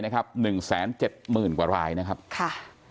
๑แสน๗หมื่นกว่ารายนะครับค่ะ